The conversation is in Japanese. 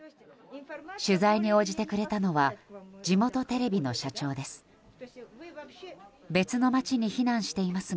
取材に応じてくれたのは地元テレビの社長です。